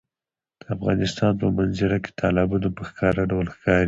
د افغانستان په منظره کې تالابونه په ښکاره ډول ښکاري.